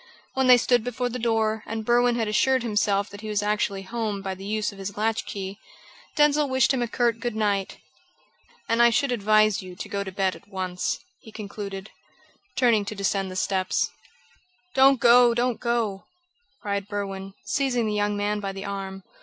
When they stood before the door, and Berwin had assured himself that he was actually home by the use of his latch key, Denzil wished him a curt good night. "And I should advise you to go to bed at once," he concluded, turning to descend the steps. "Don't go! Don't go!" cried Berwin, seizing the young man by the arm.